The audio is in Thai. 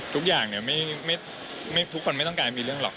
ทุกอย่างเนี่ยทุกคนไม่ต้องการมีเรื่องหรอก